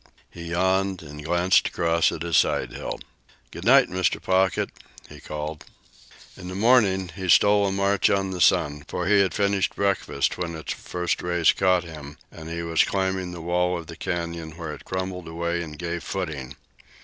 He yawned and glanced across at his side hill. "Good night, Mr. Pocket," he called. In the morning he stole a march on the sun, for he had finished breakfast when its first rays caught him, and he was climbing the wall of the canyon where it crumbled away and gave footing.